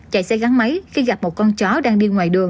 chạy xe gắn máy khi gặp một con chó đang đi ngoài đường